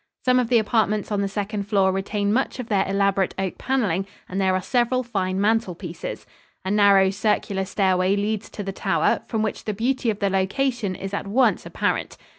Some of the apartments on the second floor retain much of their elaborate oak paneling and there are several fine mantel pieces. A narrow, circular stairway leads to the tower, from which the beauty of the location is at once apparent.